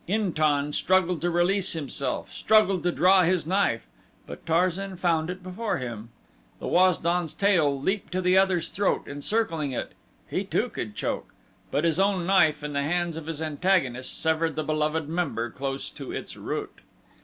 In tan struggled to release himself struggled to draw his knife; but Tarzan found it before him. The Waz don's tail leaped to the other's throat, encircling it he too could choke; but his own knife, in the hands of his antagonist, severed the beloved member close to its root.